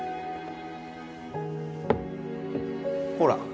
ほら。